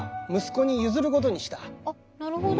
あっなるほど。